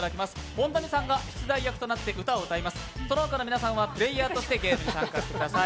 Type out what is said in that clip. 本並さんが出題役となってその他の皆さんはプレーヤーとしてゲームに参加してください。